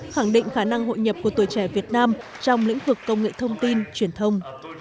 khẳng định khả năng hội nhập của tuổi trẻ việt nam trong lĩnh vực công nghệ thông tin truyền thông